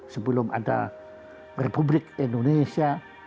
sebelum ada republik indonesia